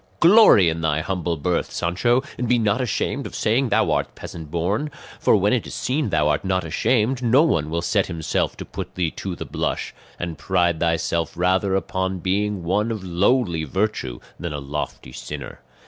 "Glory in thy humble birth, Sancho, and be not ashamed of saying thou art peasant born; for when it is seen thou art not ashamed no one will set himself to put thee to the blush; and pride thyself rather upon being one of lowly virtue than a lofty sinner.